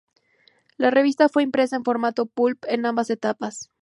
La revista fue impresa en formato "pulp" en ambas etapas.